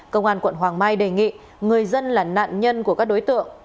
công an quận hoàng mai đề nghị người dân là nạn nhân của các đối tượng